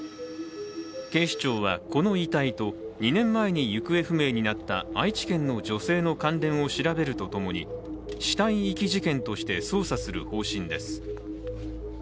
警視庁はこの遺体と２年前に行方不明になった愛知県の女性の関連を調べるとともに、死体遺棄事件として捜査する方針です。